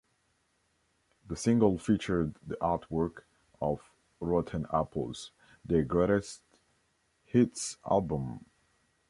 The single featured the artwork of "Rotten Apples", their greatest hits album.